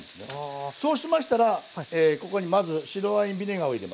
そうしましたらここにまず白ワインビネガーを入れます。